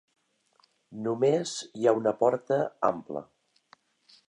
Només hi ha una porta ampla.